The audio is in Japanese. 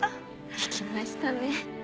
行きましたね。